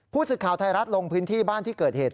ศึกข่าวไทยรัฐลงพื้นที่บ้านที่เกิดเหตุ